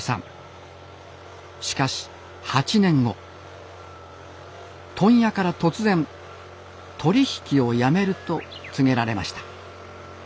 しかし８年後問屋から突然「取り引きをやめる」と告げられました。